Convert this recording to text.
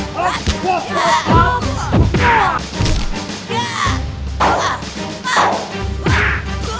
percuma saja kalau kalian kabur